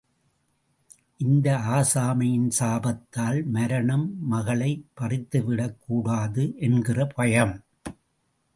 இந்த ஆசாமியின் சாபத்தால், மரணம் மகளை பறித்துவிடக் கூடாது என்கிற பயம்.